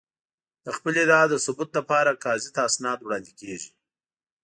د خپلې ادعا د ثبوت لپاره قاضي ته اسناد وړاندې کېږي.